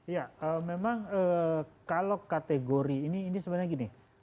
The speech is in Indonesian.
ya memang kalau kategori ini sebenarnya gini